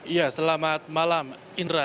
ya selamat malam indra